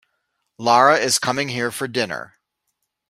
Lara is coming here for dinner.